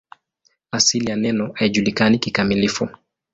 Asili ya neno haijulikani kikamilifu.